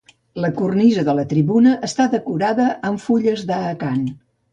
La cornisa de la tribuna està decorada amb fulles d'acant.